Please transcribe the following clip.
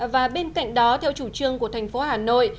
và bên cạnh đó theo chủ trương của thành phố hà nội